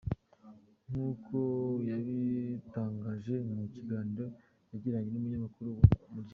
Nk’uko yabitangaje mu kiganiro yagiranye n’umunyamakuru wa Umuryango.